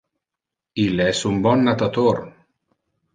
Ille es un bon natator.